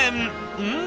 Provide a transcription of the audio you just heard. うん！